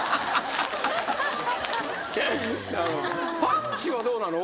パンチはどうなの？